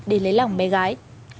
để lấy lòng mẹ gái